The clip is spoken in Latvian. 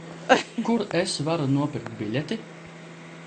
Kur es varu nopirkt biļeti?